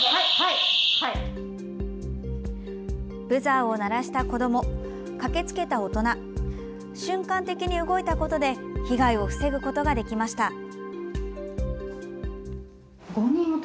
ブザーを鳴らした子ども駆けつけた大人瞬間的に動いたことで被害を防ぐことができました。